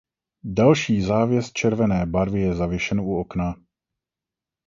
Další závěs červené barvy je zavěšen u okna.